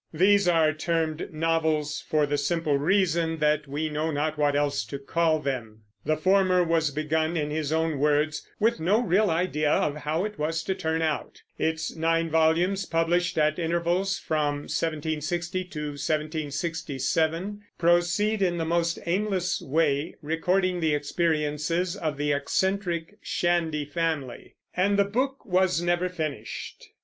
These are termed novels for the simple reason that we know not what else to call them. The former was begun, in his own words, "with no real idea of how it was to turn out"; its nine volumes, published at intervals from 1760 to 1767, proceeded in the most aimless way, recording the experiences of the eccentric Shandy family; and the book was never finished.